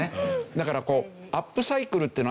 だからアップサイクルっていうのはね